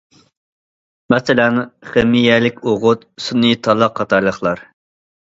مەسىلەن: خىمىيەلىك ئوغۇت، سۈنئىي تالا قاتارلىقلار.